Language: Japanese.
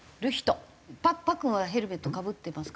パックンはヘルメットかぶってますか？